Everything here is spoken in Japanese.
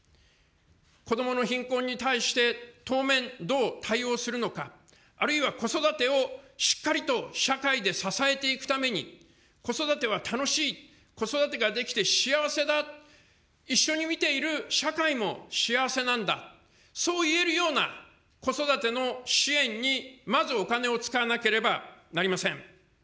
子どもの貧困に対して当面、どう対応するのか、あるいは子育てをしっかりと社会で支えていくために、子育ては楽しい、子育てができて幸せだ、一緒に見ている社会も幸せなんだ、そう言えるような子育ての支援に、まずお金を使わなければなりません。